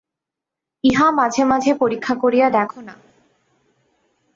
ইহা মাঝে মাঝে পরীক্ষা করিয়া দেখ না।